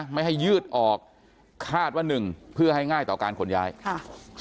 ไม่ให้ยืดออกคาดว่าหนึ่งเพื่อให้ง่ายต่อการขนย้ายค่ะ